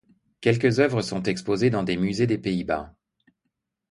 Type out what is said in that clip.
Quelques œuvres sont exposées dans des musées des Pays-Bas.